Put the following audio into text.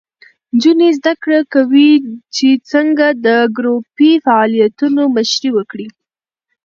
نجونې زده کوي چې څنګه د ګروپي فعالیتونو مشري وکړي.